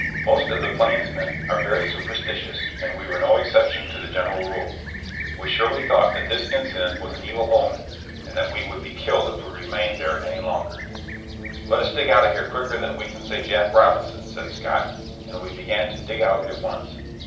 Most of the plains men are very superstitious, and we were no exception to the general rule. We surely thought that this incident was an evil omen, and that we would be killed if we remained there any longer. [Illustration: CAMPING IN A SEPULCHRE.] "Let us dig out of here quicker than we can say Jack Robinson," said Scott; and we began to "dig out" at once.